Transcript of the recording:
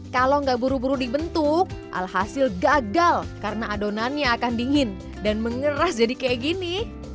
kalau nggak buru buru dibentuk alhasil gagal karena adonannya akan dingin dan mengeras jadi kayak gini